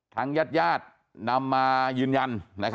ทางญาตินำมายืนยัน